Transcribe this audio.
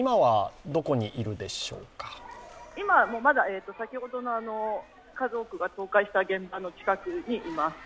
まだ先ほどの家屋が倒壊した現場の近くにいます。